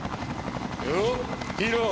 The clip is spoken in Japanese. ようヒーロー！